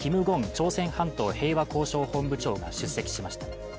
朝鮮半島平和交渉本部長が出席しました。